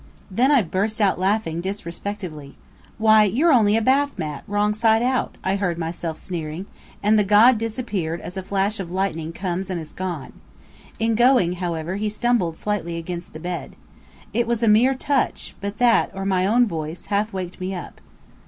Then I burst out laughing disrespectfully. "Why, you're only a Bath Mat wrong side out!" I heard myself sneering; and the god disappeared as a flash of lightning comes and is gone. In going, however, he stumbled slightly against the bed. It was a mere touch; but that, or my own voice, half waked me up.